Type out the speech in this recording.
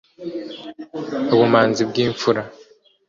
Ubumanzi bw'Imfura